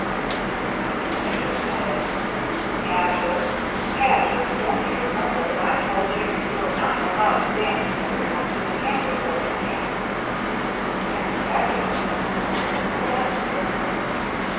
" And the Range Ranger said, "Tajer! Tajer! don't you remember that I told you you were not allowed to dance in the moonlight when the Campers are in Camp?" And the Tajer said, " Yes, sir."